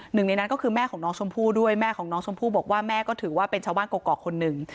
หนึ่งในนั้นก็คือแม่ของน้องชมพู่ด้วยแม่ของน้องชมพู่บอกว่าแม่ก็ถือว่าเป็นชาวบ้านกรอกคนหนึ่ง